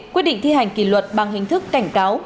quyết định thi hành kỷ luật bằng hình thức cảnh cáo